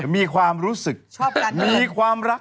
มีความรู้สึกมีความรัก